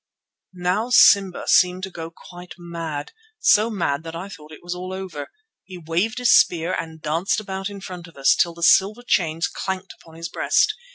Now Simba seemed to go quite mad, so mad that I thought all was over. He waved his spear and danced about in front of us, till the silver chains clanked upon his breast.